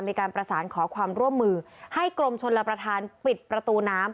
มีการประสานขอความร่วมมือให้กรมชนรับประทานปิดประตูน้ำ